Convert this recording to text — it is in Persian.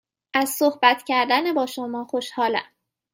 از صحبت کردن با شما خوشحالم.